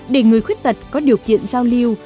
để người khuyết tật có điều kiện giao lưu